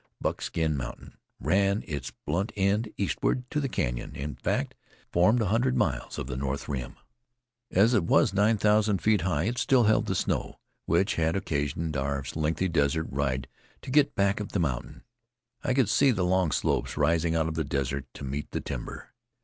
Buckskin mountain ran its blunt end eastward to the Canyon in fact, formed a hundred miles of the north rim. As it was nine thousand feet high it still held the snow, which had occasioned our lengthy desert ride to get back of the mountain. I could see the long slopes rising out of the desert to meet the timber.